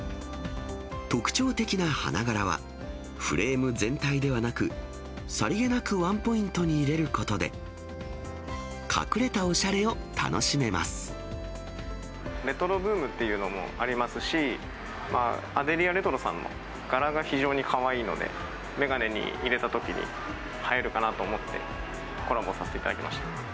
特徴的な花柄は、フレーム全体ではなく、さりげなくワンポイントに入れることで、レトロブームというのもありますし、アデリアレトロさんの柄が非常にかわいいので、眼鏡に入れたときに映えるかなと思って、コラボさせていただきました。